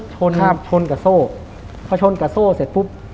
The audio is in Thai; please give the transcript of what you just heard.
ชนกับโซ่เขาชนกับโซ่เสร็จปุ๊บ